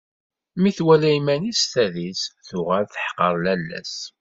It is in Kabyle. Mi twala iman-is s tadist, tuɣal teḥqer lalla-s.